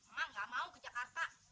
mama gak mau ke jakarta